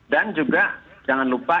dan juga jangan lupa